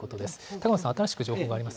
高野さん、新しい情報があります